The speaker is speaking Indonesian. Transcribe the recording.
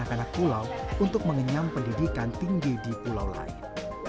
anak anak pulau untuk mengenyam pendidikan tinggi di pulau lain